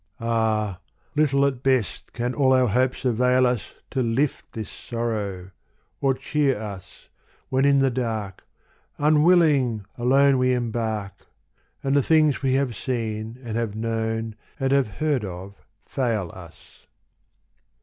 Ah ! little at best can all our hopes avail us To lift this sorrow, or cheer us, when in the dark. Unwilling, alone we embark, And the things we have seen and have known and have heard of, fail us.